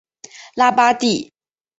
拉巴蒂。